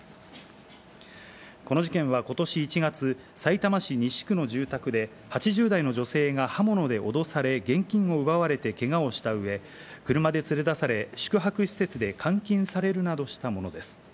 この事件はことし１月、さいたま市西区の住宅で８０代の女性が刃物で脅され現金を奪われてけがをした上、車で連れ出され、宿泊施設で監禁されるなどしたものです。